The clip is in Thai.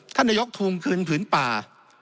ท่านนายกทวงคืนผืนป่า